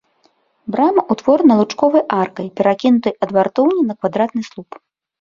Брама ўтворана лучковай аркай, перакінутай ад вартоўні на квадратны слуп.